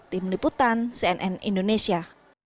tim liputan cnn indonesia